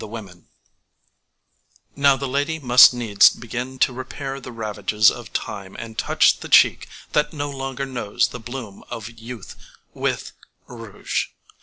THE WOMEN Now the lady must needs begin to repair the ravages of time and touch the cheek that no longer knows the bloom of youth with rouge.